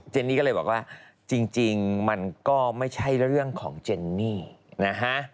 นี่ก็เลยบอกว่าจริงมันก็ไม่ใช่เรื่องของเจนนี่นะฮะ